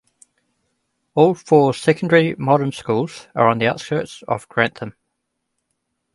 All four secondary modern schools are on the outskirts of Grantham.